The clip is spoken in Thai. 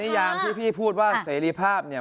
ยามที่พี่พูดว่าเสรีภาพเนี่ย